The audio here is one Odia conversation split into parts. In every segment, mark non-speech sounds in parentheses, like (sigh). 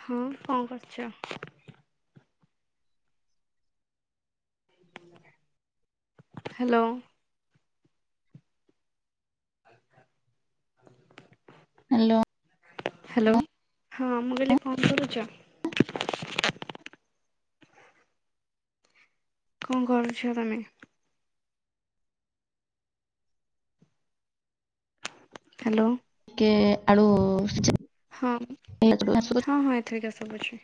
ହଁ କଣ କରୁଛ? ହ୍ୟାଲୋ। ହାଲୋ। ହାଲୋ ହଁ ମୁଁ କହିଲି କଁ କରୁଚ? କଣ କରୁଛ ତମେ? ହାଲୋ। ଟିକେ ଆଡ଼ୁ ହଁ ହଁ ହଁ ଏଥରିକା ସବୁଛି।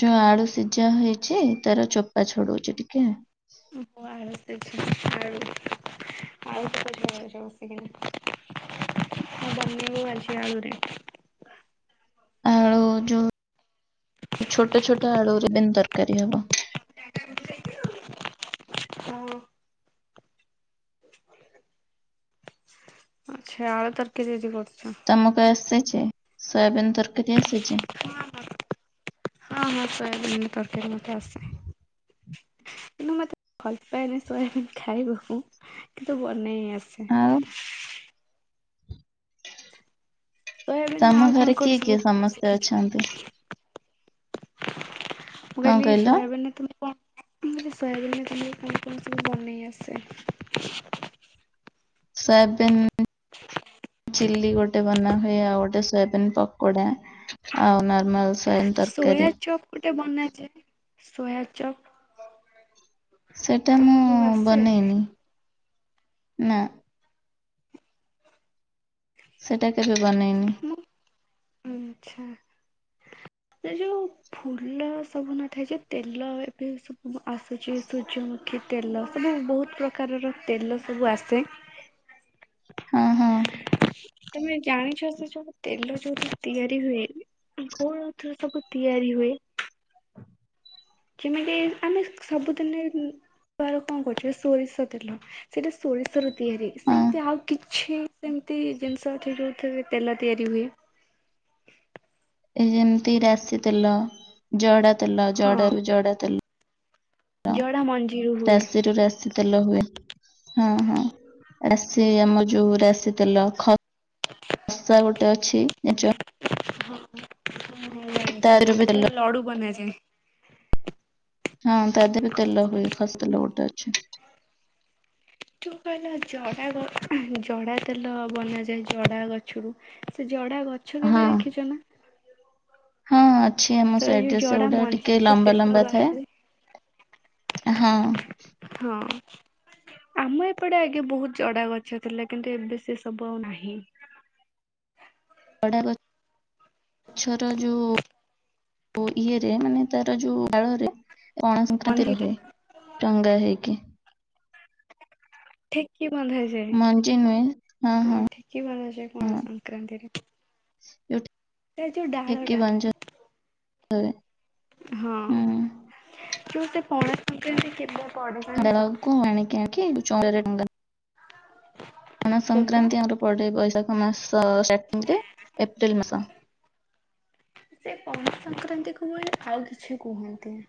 ଯୋଉ ଆଳୁ ସିଝା ହେଇଚି ତାର ଚୋପା ଛଡଉଚି ଟିକେ। ଉପହାରସ (unintelligible) (unintelligible) ବନିବ ଆଜି ଆଳୁରେ। ଆଳୁ ଯୋଉ ଛୋଟ ଛୋଟ ଆଳୁରେବି ତରକାରୀ ହବ। ହଁ। ଆଚ୍ଛା ଆଳୁ ତରକାରୀ ଆଜି କରୁଚ? ତମକୁ ଆସିଛି ସୋୟାବିିନ ତରକାରୀ ଆସିଛି? ହଁ ହଁ ହଁ ହଁ ସୋୟାବିନ୍ ତରକାର ମତେ ଆସେ। କିନ୍ତୁ ମତେ ଭଲପାଏନି ସୋୟାବିନ୍ ଖାଇବାକୁ। କିନ୍ତୁ ବନେଇ ଆସେ। ଆଉ ସୋୟାବିନ୍ ତମ ଆଉ କଣ ଘରେ କଣ କିଏ ସବୁ କିଏ ବନେଇ ସମସ୍ତେ ଶିଖିଛ? ଅଛନ୍ତି? ମୁଁ କଣ କହିଲି କହିଲ ସୋୟାବିିନ୍ରରେ ତ କଣ ମୁଁ କହିଲି ସୋୟାବିିନରେ କଁ କଁ ସବୁ ବନେଇ ଆସେ? ସୋୟାବିନ ଚିଲ୍ ଗୋଟେ ବନାହୁଏ ଆଉ ଗୋଟେ ସୋୟାବିିନ ତ କୋଡ଼ୋ ଆଉ ନର୍ମାଲ ସୋୟାବିନ ତରକାରୀ ସୋୟା ଚପ୍ ଗୋଟେ ବନାଜାଋ ସୋୟି ଚପ୍। ସେଟା ମୁଁ ତମକୁ ଆସେ? ବନେଇନି ନାଁ। ସେଇଟା କେବେ ବନେଇନି। ମୁଁ ଆଚ୍ଛା। (inaudible) ଏ ଯୋଉ ଫୁଲ ସବୁ ନଥାଏଯେ ତେଲ ଏବେ ସବୁ ଆସୁଚି। ସୂର୍ଯ୍ୟମୁଖୀ ତେଲ ସବୁ ବହୁତ୍ ପ୍ରକାରର ତେଲ ସବୁ ଆସେ ହଁ ହଁ। ତମେ ଜାଣିଚ ସେମବୁ ତେଲ ଯୋଉଠି ତିଆରି ହୁଏ? କୋଉ ଅର୍ଥରୁସବୁ ତିଆରି ହୁଏ? ଯେମିତି ଆମେ ସବୁଦିନେ ତାର କଣ କରୁଚୁ ସୋରିଷ ତେଲ ସେଇଟା ସୋରିଷରେ ତିଆରି ହଁ ସେମିତି ଆଉ କିଛି ସେମିତି ଜିନିଷ ଏଠି ଯେଉଥିରେ ତେଲ ତିଆରି ହୁଏ। ଏ ଯେମିତି ରାଶି ତେଲ ଜଡ଼ା ତେଲ ହଁ ଜଡ଼ାରୁୁ ଜଡ଼ା ତେଲ ଜଡା ମଞ୍ଜିରୁ ହୁଏ। ରାଶିରୁ ରାଶି (unintelligible) ତେଲ ହୁଏ ହଁ ହଁ ଏଟା ସେଇ ଆମର ଆମ ଯୋଉ ରାଶି ତେଲ ଖ ଖସା ଗୋଟେ ଅଛି ଜାଣିଚ? ହଁ ହଁ ତା ଜାଣିଚି ଦେହରେ ବି ସେଟା ତେଲ ଲଡ଼ୁ ବନାଯାଏ। ହଁ ତା ଦେହରୁ ତେଲ ହୁଏ ଖସା ତେଲ ଗୋଟେ ଅଛି। ଯଉ କହିଲା ଜଡ଼ା ଜଡ଼ା ତେଲ ବନାଯାଏ ଜଡ଼ା ଗଛରୁ ସେ ଜଡ଼ା ଗଛ ହଁ କେବେ ଦେଖିଚନା ହଁ ଅଛି ଆମ ସେ ଯୋଉ ସାଇଡ଼ରେ ସେ ଜଡା ଳଗୁଡା ମଞ୍ଜି ଟିକେ ସେ ଲମ୍ବା ତେଲ ଲମ୍ବା ଥାଏ। ବାହାରେ ହଁ। ହଁ। ଆମ ଏପଟେ ଆଗେ ବହୁତ୍ ଜଡ଼ା ଗଛ ଥିଲା କିନ୍ତୁ ଏବେ ସେସବୁ ଆଉ ନାହିଁ। ଜଡ଼ା ଗ ଗଛର ଯୋଉ ବୋ ଇଏରେ ମାନେ ତାର ଯୋଉ ଡାଳରେ ପଣା ସଂକ୍ରାନ୍ତିରେ ମଞ୍ଜିରେ ହୁଏ ଚଙ୍ଗା ହେଇକି। ଠିକି ବନ୍ଧାଯାଏ ହଁ ଠିକି ବନ୍ଧାଯାଏ ପଣା ହଁ ସଂକ୍ରାନ୍ତିରେ। (unintelligible) ସେ ଯୋଉ ଠେକି ଢାଳଟା - ବଞ୍ଜ ହୁଏ ହଁ ହୁଁ ଯୋଉ ସେ ପଣା ସଂକ୍ରାନ୍ତି କେବ (unintelligible) (inaudible) ପଣା କେବେ? ସଂକ୍ରାନ୍ତି ଆମର ପଡେ ବୈଶାଖ ମାସ ଷ୍ଟାଟିଙ୍ଗରେ ଏପ୍ରିଲ ମାସ। ସେ ପଣା ସଂକ୍ରାନ୍ତି କ ଭଳି ଆଉ କିଛି କୁହନ୍ତୁ -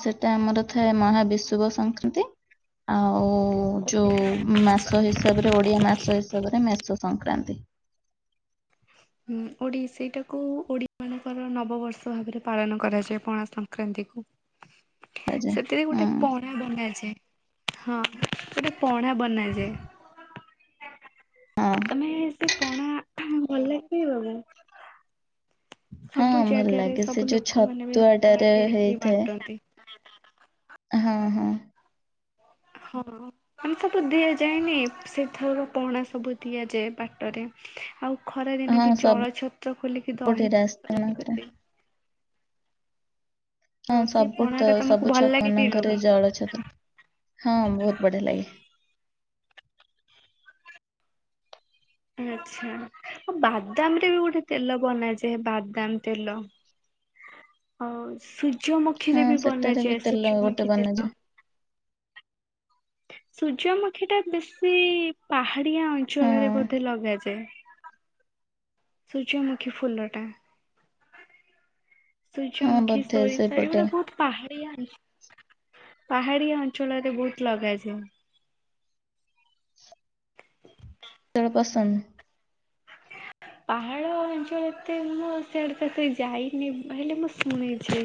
ସେଟା ଆମର ଥାଏ ମହାବିଶୁବ ସଂକ୍ରାନ୍ତି ଆଉ ଯୋଉ ମାସ ହିସାବରେ ଓଡିଆ ମାସ ହିସାବରେ ମେଷ ସଂକ୍ରାନ୍ତି। ହୁଁ ଓଡି ସେଇଟାକୁ ଓଡିଆ ମାନଙ୍କର ନବବର୍ଷ ଭାବରେ ପାଳନ କରାଯାଏ ପଣାସଙ୍କ ସଂକ୍ରାନ୍ତିକୁ, ଆଜା ସେଥିରେ ହୁଁ ଗୋଟେ ପ ବନାଯାଏ ହଁ ଗୋଟେ ପଣା ବନାଯାଏ। ହଁ ତମେ ସେ ପଣା ଭଲ ଲାଗେ ପିଇବାକୁ? ହଁ ସବୁ ଭଲ ଜାଗାରେ ଲାଗେ ସେ ସବୁ ଯୋଉ ଲୋକମାନେ ବି ପଣା ଛତୁଆଟାରେ ତିଆରି କରି ହେଇଥାଏ। ବାଣ୍ଟନ୍ତି। ହଁ ହଁ ହଁ ଅ ଆମେ ସବୁ ଦିଆଯାଏନି ସେଥରକ ପଣା ସବୁ ଦିଆଯାଏ ବାଟରେ ଆଉ ଖରା ଦିନେ ହଁ ବି ଜଳ ସବୁଠି ଛତ୍ର ଖୋଲିକି ଦହି ରାସ୍ତା ପାଣି ମାନଙ୍କରେ ଦଅନ୍ତି - ହଁ ସେଇ ସବୁ ପଣା ତ ଟା ତମକୁ ସବୁ ଭଲ ଛକ ଲାଗେ ନଙ୍କରେ ପିଇବାକୁ? ଜଳଛତ୍ର ହଁ ବହୁତ ବଢିଆ ଲାଗେ ଆଛା ଆଉ ବାଦାମରେ ବି ଗୋଟେ ତେଲ ବନାଯାଏ, ବାଦାମ ତେଲ - ଆଉ ହଁ ସୂର୍ଯ୍ୟମୁଖୀରେ ବି ସେଟାରେ ବି ବନାଯାଏ ତେଲ ଗୋଟେ ସୂର୍ଯ୍ୟମୁଖୀ ତେଲ। ବନାଯାଏ ସୂର୍ଯ୍ୟମୁଖୀ ଟା ବେଶୀ ପାହାଡିଆ ଅଞ୍ଚଳରେ ହଁ ବୋଧେ ଲଗାଯାଏ। ସୂର୍ଯ୍ୟମୁଖୀ ଫୁଲଟା ହଁ ସୂର୍ଯ୍ୟମୁଖୀ ବୋଧେ ସୋଇଥାଏ ସେଇପଟେ ଏଇଗୁଡା ବହୁତ ପାହାଡିଆ ଅଞ୍ଚ ପାହାଡିଆ ଅଞ୍ଚଳରେ ବହୁତ ଲଗାଯାଏ। ତଡ଼ ପସନ୍ଦ ପାହାଡ ଅଞ୍ଚଳ ଏତେ ମୁଁ ସେଆଡେ ସେତେ ଯାଇନି ହେଲେ ମୁଁ ଶୁଣିଚି।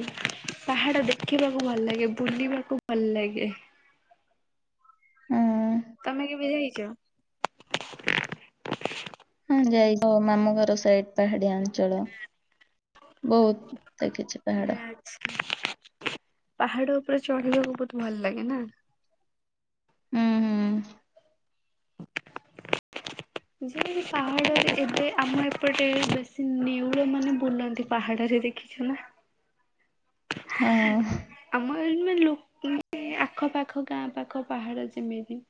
ପାହାଡ଼ ଦେଖିବାକୁ ଭଲ ଲାଗେ, ବୁଲିବାକୁ ଭଲ ଲାଗେ ହଁ ତମେ କେବେ ଯାଇଚ? ହଁ ଯାଇଚି ମାମୁ ଘର ସାଇଡ ପାହାଡିଆ ଅଞ୍ଚଳ ବହୁତ ଦେଖିଛି ପାହାଡ ଆଛା ପାହାଡ ଉପରେ ଚଢିବାକୁ ବହୁତ ଭଲ ଲାଗେ ନା ହୁଁ ହୁଁ (inaudible) ଯେମିତି ପାହାଡରେ ଏବେ ଆମ ଏପଟେ ବେଶୀ ନେଉଳ ମାନେ ବୁଲନ୍ତି ପାହାଡରେ ଦେ- କିଛୁନା ଆଁ ହଁ ଆମ ଏଇ ଲ ଆଖ ପାଖ ଗାଁ ପାଖ ପାହାଡ ଯେମିତି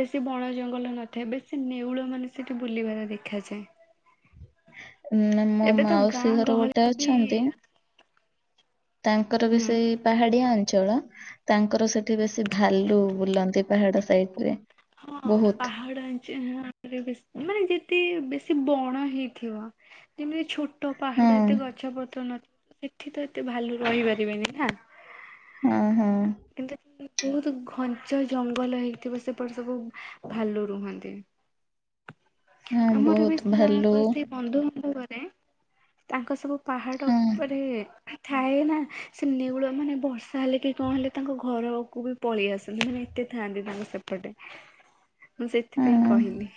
ବେଶୀ ବଣ ଜଙ୍ଗଲ ନଥାଏ ବେଶୀ ନେଉଳ ମାନେ ସେଠି ବୁଲିବାର ଦେଖାଯାଏ- ନା ମୋ ଏବେ ତ ମାଉସୀ ଗାଁ ଘର ଗୋଟେ ଗହଳିରେ ବି ଅଛନ୍ତି ତାଙ୍କର ବି ହୁଁ ସେଇ ପାହାଡିଆ ଅଞ୍ଚଳ ତାଙ୍କର ସେଠି ବେଶୀ ଭାଲୁ ବୁଲନ୍ତି ପାହାଡ ସାଇଟରେ- ହଁ ପାହାଡ଼ - ଚିହ୍ନା ଟିକେ ବେଶୀ ମାନେ ଯେତିକି ବେଶୀ ବଣ ହେଇଥିବ ଯେମିତି ଛୋ ତ ହଁ ପାହାଡ ଏତେ ଗଛ ପତ୍ର ନ ଏଠି ତ ଏତେ ଭାଲୁ ରହିପାରିବେନି ନା। ହଁ, ହଁ। କିନ୍ତୁ ବହୁତୁ ଘଞ୍ଚ ଜଙ୍ଗଲ ହେଇଥିବ ସେ ଉପର ସବୁ ଭାଲୁ ରୁହନ୍ତି। ହଁ ଆମର ବି ବହୁତ ଭାଲୁ ଜଣଙ୍କର ସେଇ ବନ୍ଧୁଙ୍କ ଘରେ ତାଙ୍କ ସବୁ ପାହାଡ଼ ହଁ ଉପରେ ଥାଏ ନା ସେ ନେଉଳ ମାନେ ବର୍ଷା ହେଲେ କି କଣ ହେଲେ ତାଙ୍କ ଘରକୁ ବି ପଳେଇ ଆସନ୍ତି। ମାନେ ତେ ଥାନ୍ତି ତାଙ୍କୁ ସେପଟେ। ମୁଁ ସେଥିପାଇଁ କହିଲି।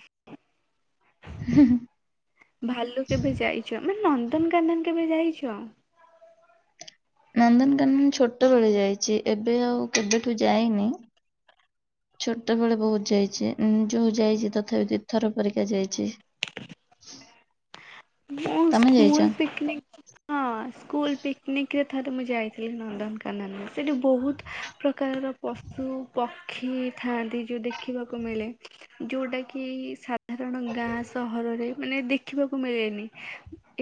ହୁଁ, ହୁଁ। ଭାଲୁ କେବେ ଯାଇଛ, ମାନେ ନନ୍ଦନକାନନ କେବେ ଯାଇଛ? ନନ୍ଦନକାନନ ଛୋଟବେଳେ ଯାଇଛି, ଏବେ ଆଉ କେବେଠୁ ଯାଇନି। ଛୋଟ ବେଳେ ବହୁତ ଯାଇଛି ଉଁ, ଯୋଉ ଯାଇଛି ତଥାପି ଦି ଥର ପରିକା ଯାଇଛି। ମୁ ତମେ ସ୍କୁଲ୍ ଯାଇଛ? ପିକନିକ୍ ହଁ ସ୍କୁଲ୍ ପିକନିକ୍ ରେ ଥରେ ମୁଁ ଯାଇଥିଲି ନନ୍ଦନକା କାନନ ସେଠି ବହୁତ ପ୍ରକାରର ପଶୁ ପ କ୍ଷୀ ଥାନ୍ତି ଯୋଉ ଦେଖିବାକୁ ମିଳେ ଯୋଉଟା କି ସା ଧାରଣ ଗାଁ ସହରରେ ମାନେ ଦେଖିବାକୁ ମିଳେନି।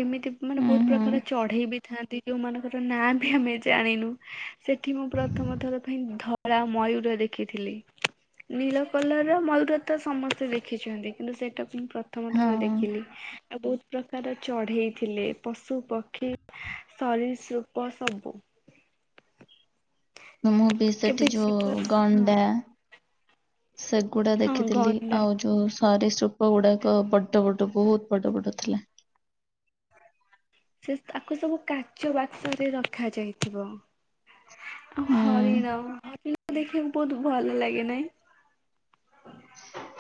ଏମିତି ମାନେ ହୁଁ ବହୁତ ହୁଁ ପ୍ରକାର ଚଢେଇ ବି ଥାନ୍ତି ଯୋଉ ମାନଙ୍କର ନାଁ ବି ଆମେ ଜାଣିନୁ। ସେଠି ମୁଁ ପ୍ରଥମ ଥର ପାଇଁ ଧଳା ମୟୂର ଦେଖିଥିଲି। ନୀଳ କଲର୍ ର ମୟୁର ତ ସମସ୍ତେ ଦେଖିଛନ୍ତି କିନ୍ତୁ ସେଇଟା ମୁଁ ପ୍ରଥମ ଥର ହଁ ଦେଖିଲି। ଆଉ ବହୁତ ପ୍ରକାର ଚଢ଼େଇଥିଲେ ପଶୁ, ପକ୍ଷୀ, ସରୀରସୃପ ସବୁ। ମୁଁ ବି ସେଠି କେବେ ଯିବ ଯୋଉ ହଁ ଗଣ୍ଡା ସେ ଗୁଡ଼ା ହଁ ଦେଖିଥିଲି। ଗଣ୍ଡା ଆଉ ଯୋଉ ସରୀସୃପ ଗୁଡ଼ାକ ବଡ଼ ବଡ଼ ବହୁତ ବଡ଼ ବଡ଼ ଥିଲା। ସେ ତାକୁ ସବୁ କାଚ ବାକ୍ସ ରେ ରଖା ଯାଇଥିବ। ଆଉ ହୁଁ ହରିଣ ହରିଣ ଦେଖିବାକୁ ବହୁତ ଭଲ ଲାଗେ ନାଇ?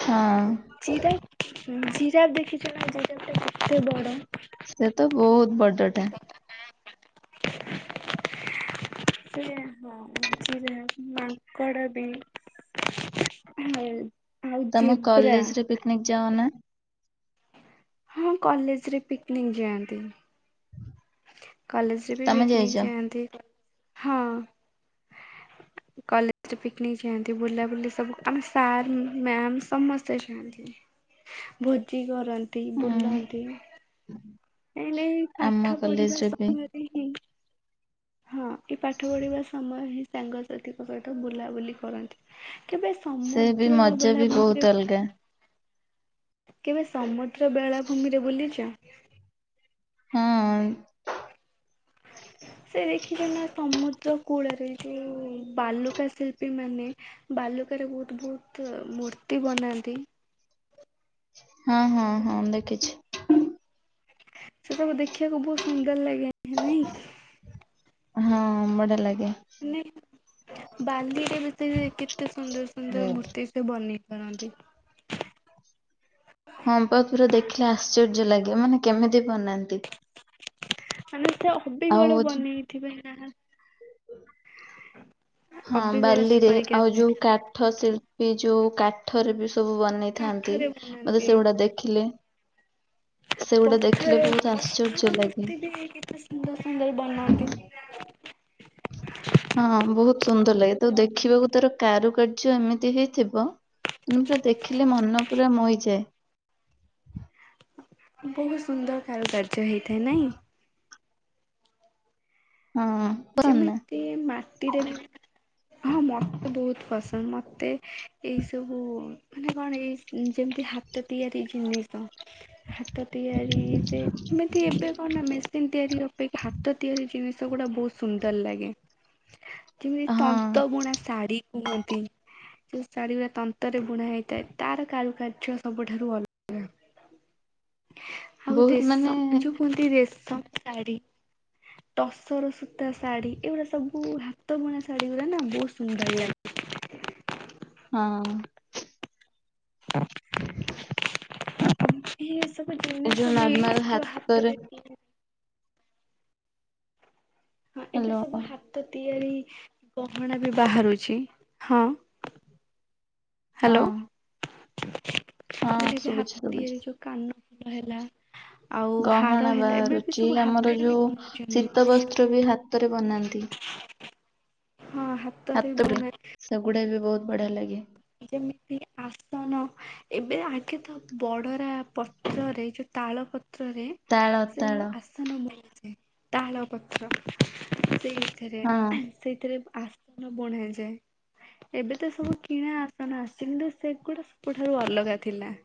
ହଁ। ଜିରାଫ ଉଁ, ଜିରାଫ ଦେଖିଛ ନା ଜିରାଫ ଟା କେତେ ବଡ଼? ସେ ତ ବହୁତ ବଡ ଟା। ସେ ହଁ ଜିରାଫ ମାଙ୍କଡ ବି। ଆଉ ଆଉ ଜେବ୍ରା ତୋମେ ଯାାଅ ନା? ହଁ କଲେଜ୍ ରେ ପିକନିକ୍ ଯାଆନ୍ତି। କଲେଜ୍ ରେ ବି ତମେ ପିକନିକ୍ ଯାଇଛ? ଯାଆନ୍ତି ହଁ। କଲେଜ୍ ରେ ପିକନିକ୍ ଯାଆନ୍ତି, ବୁଲା ବୁଲି ସବୁ ଆମ ସାର୍ ମ୍ୟାାମ୍ ସମସ୍ତେ ଯାଆନ୍ତି। ଭୋଜି କରନ୍ତି ହୁଁ ବୁଲନ୍ତି। (inaudible) ଏଇନେ ଏଇ ଆମ ପାଠ ପଢିବା କଲେଜରେ ବି ସମୟ ହଁ ଏ ପାଠ ପଢିବା ସମୟ ହିଁ ସାଙ୍ଗସାଥିଙ୍କ ସହିତ ବୁଲାବୁଲି କରନ୍ତି। କେବେ ସେ ବି ସମୁଦ୍ର ମଜା ବି ବହୁତ ବେଳାଭୂମିରେ ଅଲଗା। କେବେ ସମୁଦ୍ର ବେଳାଭୂମି ରେ ବୁଲିଚ? ହଁ। ସେ ଦେଖିଛ ନା ସମୁଦ୍ର କୂଳରେ ଯୋଉ ବାଲୁକା ଶିଳ୍ପୀ ମାନେ ବାଲୁକାରେ ବହୁତ ବହୁତ ମୂର୍ତ୍ତି ବନାନ୍ତି। ହଁ ହଁ ହଁ, ଦେଖିଛି। ସେ ସବୁ ଦେଖିବାକୁ ବହୁତ ସୁନ୍ଦର ଲାଗେ ନାଇଁ? ହଁ, ବଢିଆ ଲାଗେ। ବାଲିରେ କେତେ ସୁନ୍ଦର ସୁନ୍ଦର ମୂର୍ତ୍ତି? ସେ ବନେଇ ପାରନ୍ତି। ହଁ ବା, ପୁରା ଦେଖିଲେ ଆଶ୍ଚର୍ଯ୍ୟ ଲାଗେ, ମାନେ କେମିତି ବନାନ୍ତି? ମାନେ ସେ ଆଉ ଅବିଗଳ ହଉଛି ବନେଇଥିବେ ନା? ହଁ, ଅବିକଳ ସେ ବାଲିରେ ପରିକା ଆଉ ଥାଏ। ଯୋଉ କାଠ ଶିଳ୍ପୀ, ଯୋଉ କାଠରେ ବି ସବୁ ବନ ବନେଇଥାନ୍ତି, କାଠରେ ବନାନ୍ତି ମତେ ସେଗୁଡା ଦେଖିଲେ ସେଗୁଡା ଦେଖିଲେ ପଥର ବହୁତ ପଥର ଆଶ୍ଚର୍ଯ୍ୟ ଲାଗେ। ମୂର୍ତ୍ତି ବି କେତେ ସୁନ୍ଦର ସୁନ୍ଦର ବନାନ୍ତି। ହଁ, ବହୁତ ସୁନ୍ଦର ଲାଗେ, ତ ଦେଖିବାକୁ ତାର କାରୁକାର୍ଯ୍ୟ ଏମିତି ହେଇଥିବ ମୁଁ ପୁରା ଦେଖିଲେ ମନ ପୁରା ମୋହି ଯାଏ। ବହୁତ ସୁନ୍ଦର କାରୁକାର୍ଯ୍ୟ ହେଇଥାଏ, ନାଇଁ। ହଁ। ପସନ୍ଦ ନା ଯେମିତି ମାଟିରେ ବି। ହଁ, ମୋତେ ବହୁତ ପସନ୍ଦ। ମୋତେ ଏଇ ସବୁ ମାନେ କଣ ଏଇ ଯେମିତି ହା ତ ତିଆରି ଜିନିଷ। ହ (inaudible) ହାତ ତିଆରି ଯେ ଏମିତି ଏବେ କଣ ନା ମେସିନ୍ ତିଆରି ଅପେକ୍ଷା ହାତ ତିଆରି ଜିନିଷ ଗୁଡା ବହୁତ ସୁନ୍ଦର ଲାଗେ। ଯେମିତି ହଁ ତନ୍ତ ବୁଣା ଶାଢ଼ୀ କୁହନ୍ତି। ଯୋଉ ଶାଢ଼ୀ ଗୁରା ତନ୍ତରେ ବୁଣା ହେଇଥାଏ, ତାର କାରୁକାର୍ଯ୍ୟ ସବୁଠାରୁ ଅଲ ଆଉ ବହୁତ ରେଶ ମାନେ ଯୋଉ କୁହନ୍ତି, ରେଶମ ଶାଢୀ। ଟସର, ସୂତା ଶାଢୀ ଏଇଗୁଡା ସବୁ ହାତ ବୁଣା ଶାଢୀ ଗୁରା ନା। ବହୁତ ସୁନ୍ଦର ଲାଗେ। ହଁ। (inaudible) ଏ ସବୁ ଏ ଯୋଉ ଜିନିଷ ବି ନର୍ମାଲ ଯୋଉ ହାତରେ ଥିଲେ ହ୍ୟାଲୋ ଏବେ ସବୁ ହାତ ତିଆରି ଗହଣା ବି ବାହାରୁଛି ହଁ। ହଁ ହ୍ୟାଲୋ। ହଁ ଯେମିତି ଶୁଭୁଛି ହାତୀ ଶୁଭୁଛି। ଆଉ ଯୋଉ କାନ ଫୁଲ ହେଲା। ଆଉ ଗହଣା ହାର ହେଲା ଏବେ ବି ବାହାରୁଛି, ସବୁ ଆମର ହାତରେ ବି ଯୋଉ ବନଉଛନ୍ତି ଶୀତ ବସ୍ତ୍ର ବି ହାତରେ ବନାନ୍ତି। (inaudible) ହଁ। ହାତରେ ସେଗୁଡା ବି ବହୁତ ବଢିଆ ଲାଗେ। ଯେମିତି ଆସନ, ଏବେ ଆଗେ ତ ବଡରା ପତ୍ରରେ, ଯୋଉ ତାଳ ପତ୍ରରେ ତାଳ ସେଇ ତାଳ ଆସନ ବୁଣିଚି ତାଳ ପତ୍ର ସେଇ ଥିରେ ହଁ ସେଇଥିରେ ଆସନ ବୁଣା ଯାଏ। ଏବେ ତ ସବୁ କିଣା। ନା ନା, ସିନ୍ଦୁଶଗଡ ସେ ସବୁଠାରୁ ଅଲଗା ଥିଲା।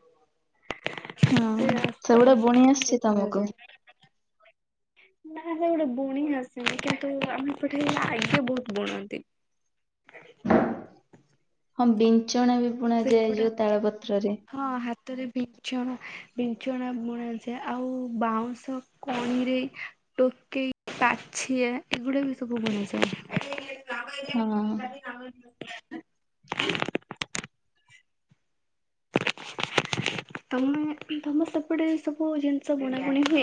ହଁ ସେ ରାସ୍ତା ସେଗୁଡା ବୁଣି (unintelligible) ଆସିଛି ତମକୁ? କୁହାଯାଏ। ନା ସେ ଗୋଟେ ବୁଣୀ ଆସୁନି କିନ୍ତୁ ଆମେ ସେଠେଇ ଆଗେ ବହୁତ ବୁଣନ୍ତି। ହଁ, ବିଞ୍ଚଣା ବି ବୁଣା ଯାଏ ଯୋଉ ସେଗୁଡା ତାଳ ପତ୍ରରେ। ହଁ ହାତରେ ବିଛଣା ବିଚଣା ବୁଣାଯାଏ ଆଉ ବାଉଁଶ କଣିରେ ଟୋକେଇ ପାଛିଆ ଏଗୁଡ଼ାବି ସବୁ ବନାଯାଏ। ହଁ। (unintelligible) ତମେ ତମ ସେପଟେ ସବୁ ଜିନିଷ ବୁଣାବୁଣା ହୁଏ?